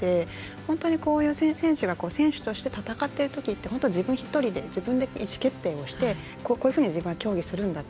本当にこういう選手が選手として戦ってるときって自分１人で自分で意思決定をしてこういうふうに自分は競技するんだ。